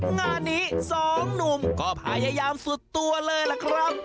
งานนี้สองหนุ่มก็พยายามสุดตัวเลยล่ะครับ